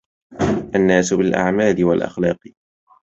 الناس بالأعمال والأخلاق